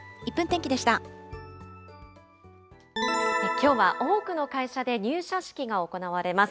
きょうは、多くの会社で入社式が行われます。